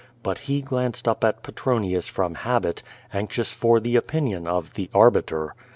But he glanced up at Petronius from habit, anxious for the opinion of "the arbiter."